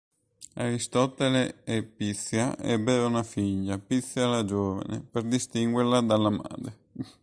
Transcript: Aristotele e Pizia ebbero una figlia, Pizia la Giovane per distinguerla dalla madre.